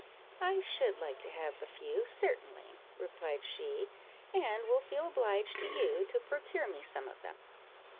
"I should like to have a few certainly," replied she, "and will feel obliged to you to procure me some of them."